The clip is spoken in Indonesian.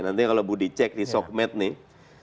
nanti kalau budi cek di sosmed nih